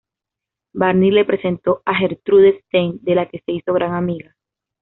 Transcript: Barney le presentó a Gertrude Stein, de la que se hizo gran amiga.